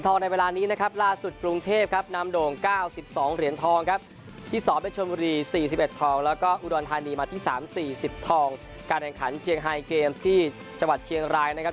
ที่สามสี่สิบทองการแรงขันเจียงไฮเกมท์ที่จังหวัดเชียงรายนะครับ